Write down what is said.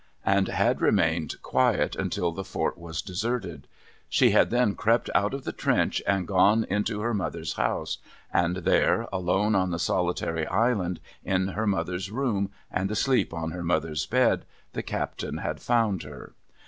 and had remained quiet until the fort was deserted; she had then crept out of the trench, and gone into her mother's house ; and there, alone on the solitary Island, in her mother's room, and asleep on her mother's bed, the (."aptain had found her.